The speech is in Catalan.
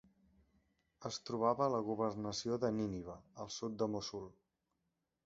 Es trobava a la Governació de Nínive, al sud de Mossul.